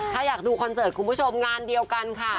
ถ้าอยากดูคอนเสิร์ตคุณผู้ชมงานเดียวกันค่ะ